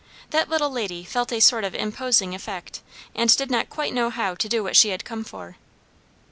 That little lady felt a sort of imposing effect, and did not quite know how to do what she had come for.